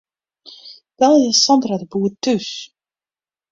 Belje Sandra de Boer thús.